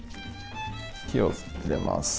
火を入れます。